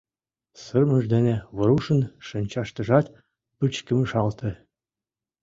Сырымыж дене Врушын шинчаштыжат пычкемышалте.